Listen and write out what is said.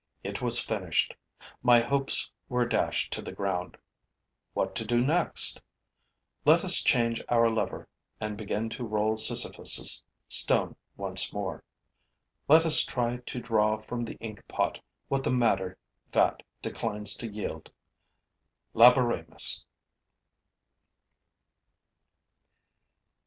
It was finished; my hopes were dashed to the ground. What to do next? Let us change our lever and begin to roll Sisyphus' stone once more. Let us try to draw from the ink pot what the madder vat declines to yield. Laboremus!